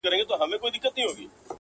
له اسمان مي ګيله ده؛